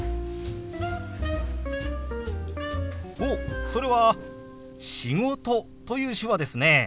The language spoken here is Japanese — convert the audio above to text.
おっそれは「仕事」という手話ですね。